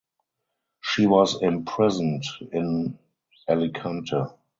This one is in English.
She was imprisoned in Alicante.